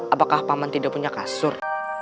apakah paman tidak punya kasur